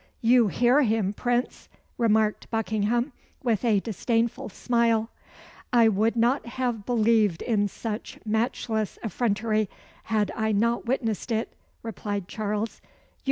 "You hear him, Prince," remarked Buckingham, with a disdainful smile. "I would not have believed in such matchless effrontery had I not witnessed it," replied Charles.